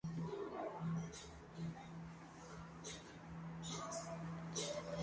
Ya en plena gira, el bajista Simon Jones perdió el conocimiento en el escenario.